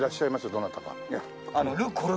どなたか。